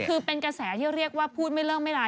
คือเป็นกระแสที่เรียกว่าพูดไม่เลิกไม่ลา